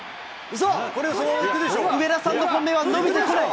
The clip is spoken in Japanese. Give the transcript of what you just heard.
上田さんの本命は伸びてこない。